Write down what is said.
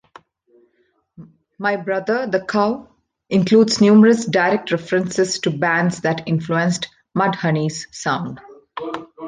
"My Brother The Cow" includes numerous direct references to bands that influenced Mudhoney's sound.